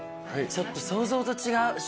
ちょっと想像と違う。